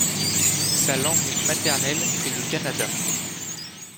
Sa langue maternelle est le kannada.